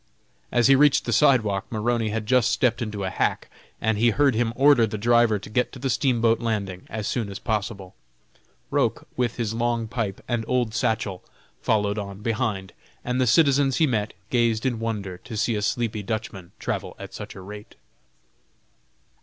As he reached the sidewalk, Maroney had just stepped into a hack, and he heard him order the driver to get to the steamboat landing as soon as possible. Roch, with his long pipe and old satchel, followed on behind, and the citizens he met gazed in wonder to see a sleepy Dutchman travel at such a rate.